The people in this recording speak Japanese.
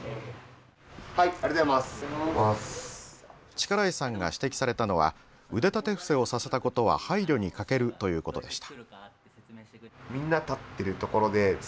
力石さんが指摘されたのは腕立て伏せをさせたことは配慮に欠けるということでした。